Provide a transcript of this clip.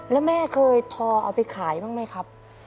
แล้วแม่เคยทอเอาไปขายบ้างไหมครับ